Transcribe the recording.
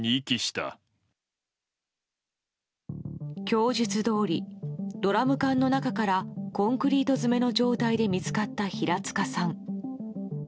供述どおり、ドラム缶の中からコンクリート詰めの状態で見つかった平塚さん。